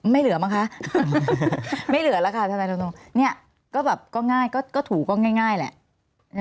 ถูซื้อเราต้องจิ๊บต่อไปเลย